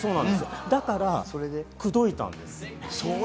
だから口説いたんです。